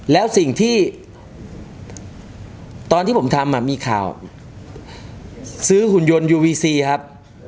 แล้วสิ่งที่ตอนที่ผมทำมีข่าวซื้อหุ่นยนต์ยูวีซีครับ